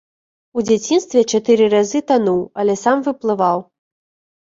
У дзяцінстве чатыры разы тануў, але сам выплываў.